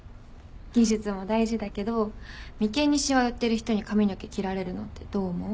技術も大事だけど眉間にしわ寄ってる人に髪の毛切られるのってどう思う？